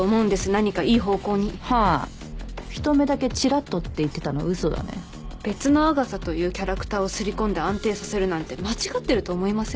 何かいい方向にはあひと目だけチラッとって言ってたのはウソだね別のアガサというキャラクターをすり込んで安定させるなんて間違ってると思いませんか？